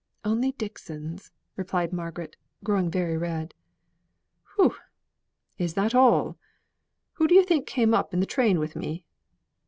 "Only Dixon's," replied Margaret, growing very red. "Whew! is that all? Who do you think came up in the train with me?"